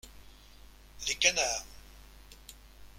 Les canards.